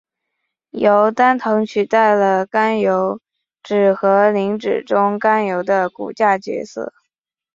由单糖取代了甘油酯和磷脂中甘油的骨架角色。